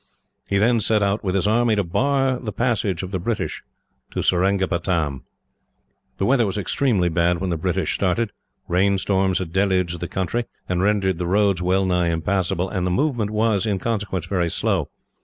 He then set out with his army to bar the passage of the British to Seringapatam. The weather was extremely bad when the British started. Rain storms had deluged the country, and rendered the roads well nigh impassable, and the movement was, in consequence, very slow.